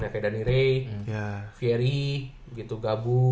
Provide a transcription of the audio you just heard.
kayak danny ray fieri gabu